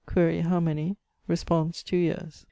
] Quaere, how many? Resp., two yeares.